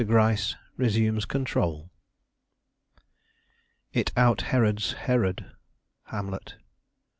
GRYCE RESUMES CONTROL "It out herods Herod." Hamlet.